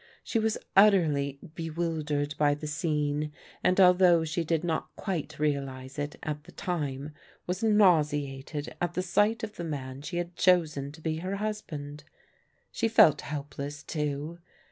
She was utterly bewildered by the scene, and although she did not quite realize it at the time, was nauseated at the sight of the man she had chosen to be her husband. She felt helpless, too.